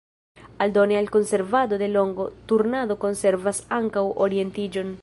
Aldone al konservado de longo, turnado konservas ankaŭ orientiĝon.